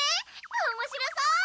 おもしろそう！